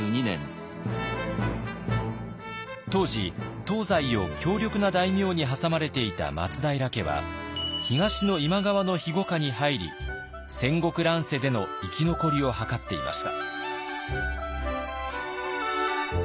当時東西を強力な大名に挟まれていた松平家は東の今川の庇護下に入り戦国乱世での生き残りを図っていました。